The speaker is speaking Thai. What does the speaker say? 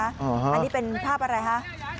อันนี้เป็นภาพอะไรคะ